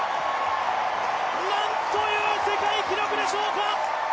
なんという世界記録でしょうか。